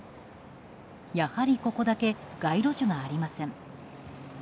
やはり、ここだけ街路樹がありません。